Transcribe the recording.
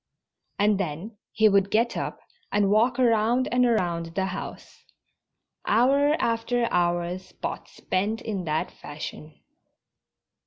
And then he would get up and walk around and around the house. Hour after hour Spot spent in that fashion.